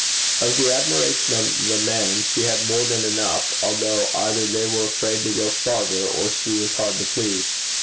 Of the admiration of the men, she had had more than enough, although either they were afraid to go farther, or she was hard to please.